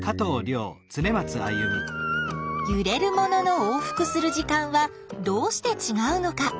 ゆれるものの往復する時間はどうしてちがうのか。